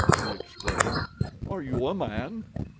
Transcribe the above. he exclaimed. "Are you a man?"